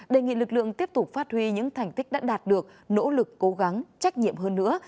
đề nghị lực lượng tiếp tục phát huy những thành tích đã đạt được nỗ lực cố gắng trách nhiệm hơn nữa